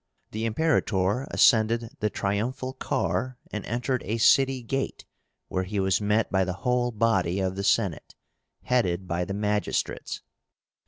The Imperator ascended the triumphal car and entered a city gate, where he was met by the whole body of the Senate, headed by the magistrates.